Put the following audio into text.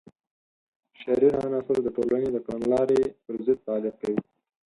شریر عناصر د ټولنې د کړنلارې پر ضد فعالیت کوي.